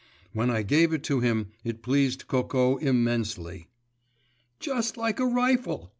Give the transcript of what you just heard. When I gave it to him, it pleased Coco immensely. "Just like a rifle!"